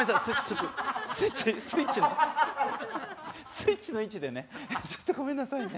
スイッチの位置でねちょっとごめんなさいね。